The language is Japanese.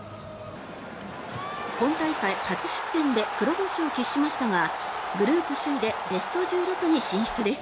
今大会初失点で黒星を喫しましたがグループ首位でベスト１６に進出です。